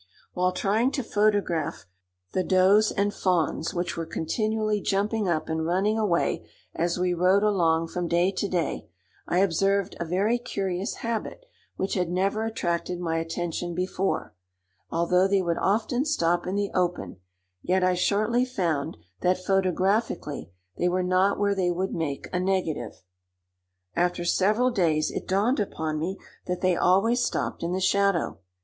While trying to photograph the does and fawns which were continually jumping up and running away as we rode along from day to day, I observed a very curious habit which had never attracted my attention before: although they would often stop in the open, yet I shortly found that, photographically, they were not where they would make a negative. After several days, it dawned upon me that they always stopped in the shadow.